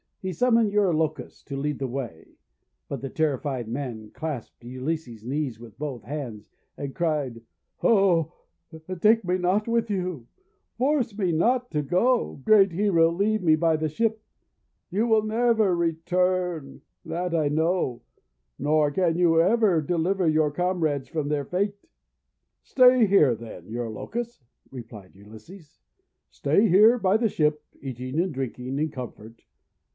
He sum moned Eurylochus to lead the way, but the terrified man clasped Ulysses* knees with both hands, and cried :— "O take me not with you! Force me not to THE ENCHANTED SWINE 393 go! Great Hero, leave me by the ship! You will never return, that I know! Nor can you ever deliver our comrades from their fate!' " Stay here, then, Eurylochus," replied Ulysses. "Stay here by the ship, eating and drinking in comfort.